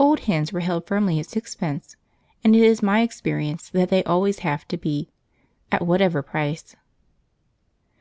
Old hens were held firmly at sixpence, and it is my experience that they always have to be, at whatever price.